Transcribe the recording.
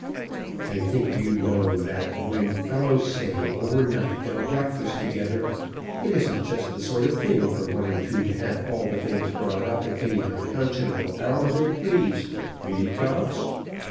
"I think, you know, that when fellows say over night they'll breakfast together, it isn't just the sort of thing for one or two to have all the things brought up at any unconscionable hour they please. Eh, Cox?"